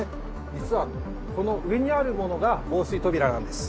実はこの上にあるものが防水扉なんです。